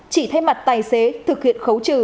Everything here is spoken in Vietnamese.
chỉ thay mặt tài xế thực hiện khấu trừ